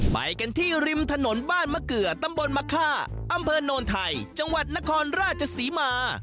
ไปกันที่ริมถนนบ้านมะเกลือตำบลมะค่าอำเภอโนนไทยจังหวัดนครราชศรีมา